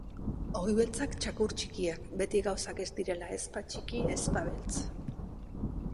Ogi beltzak txakur txikiak: beti gauzak ez direla ezpa txiki ezpa beltz.